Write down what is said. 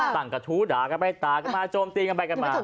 ต่างกับธุรกรรมกลายไปตลาดจะจะมาโจมตีกันไป